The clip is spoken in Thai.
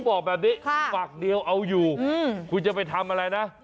บอกแบบนี้ฝากเดียวเอาอยู่คุณจะไปทำอะไรนะ